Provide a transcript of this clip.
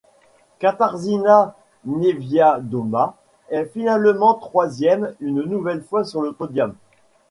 Katarzyna Niewiadoma est finalement troisième, une nouvelle fois sur le podium.